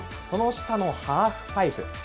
その下のハーフパイプ。